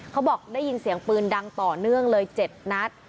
เขาบอกได้ยินเสียงปืนดังต่อเนื่องเลย๗นัด